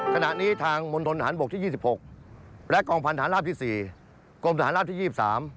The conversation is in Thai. ขณะนี้ทางมณฑนฐานบกที่๒๖และกองพันธาราบที่๔กรมฐานราบที่๒๓